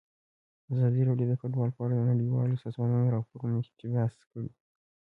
ازادي راډیو د کډوال په اړه د نړیوالو سازمانونو راپورونه اقتباس کړي.